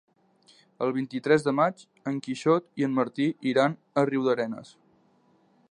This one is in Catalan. El vint-i-tres de maig en Quixot i en Martí iran a Riudarenes.